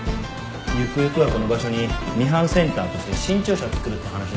ゆくゆくはこの場所にミハンセンターとして新庁舎造るって話だ。